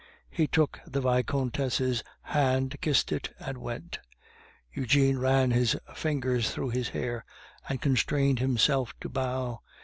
He took the Vicomtesse's hand, kissed it, and went. Eugene ran his fingers through his hair, and constrained himself to bow.